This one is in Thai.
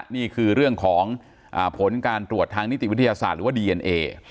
นี่คือเรื่องของผลการตรวจทางนิติวิทยาศาสตร์หรือว่าดีเอ็นเอ